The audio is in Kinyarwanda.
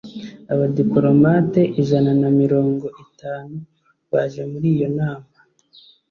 Abadipolomate ijana na mirongo itanu baje muri iyo nama